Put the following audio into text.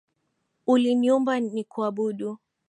Uliniumba nikuabudu.